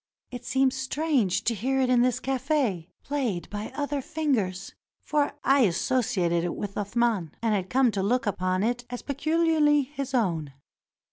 It seemed strange to hear it in this cafe, played by other fingers, for I associated it with Athman, and had come to look upon it as pecuharly his own.